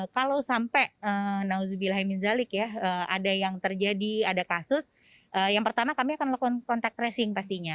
kalau sampai na'udzubillahiminzalik ya ada yang terjadi ada kasus yang pertama kami akan melakukan contact tracing pastinya